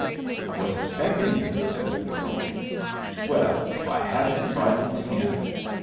"I was expecting you," said the girl. "Well, if I haven't frightened him!"